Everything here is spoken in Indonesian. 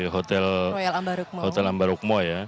hotel royal ambarukmo